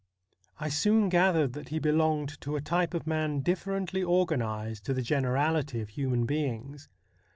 I soon gathered that he belonged to a type of man differently organised to the generality of human beings.